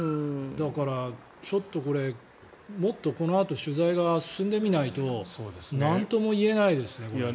だから、ちょっとこれもっとこのあと取材が進んでみないとなんとも言えないですね。